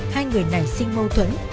hai người này sinh mô thuẫn